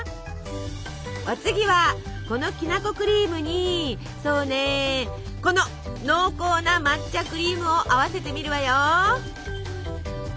お次はこのきなこクリームにそうねこの濃厚な抹茶クリームを合わせてみるわよ！